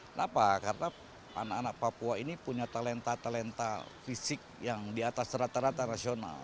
kenapa karena anak anak papua ini punya talenta talenta fisik yang di atas rata rata rasional